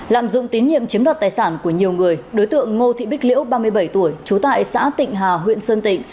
lạm dụng tín nhiệm chiếm đoạt tài sản của nhiều người đối tượng ngô thị bích liễu ba mươi bảy tuổi trú tại xã tịnh hà huyện sơn tịnh